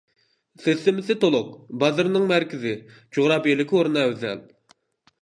سىستېمىسى تولۇق، بازىرىنىڭ مەركىزى، جۇغراپىيەلىك ئورنى ئەۋزەل.